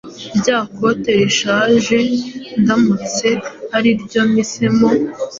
rya kote rishaje ndamutse ariryo mpisemo.